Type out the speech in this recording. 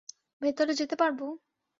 ভেতরে যেতে পারবো?